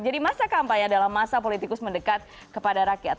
jadi masa kampanye dalam masa politikus mendekat kepada rakyat